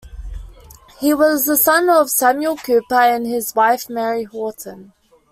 He was a son of Samuel Cooper and his wife Mary Horton.